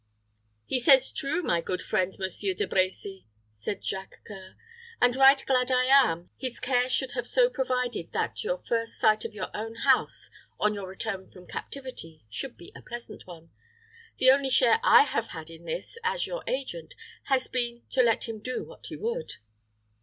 "He says true, my good friend, Monsieur de Brecy," said Jacques C[oe]ur, "and right glad I am, his care should have so provided that your first sight of your own house, on your return from captivity should be a pleasant one. The only share I have had in this, as your agent, has been to let him do what he would."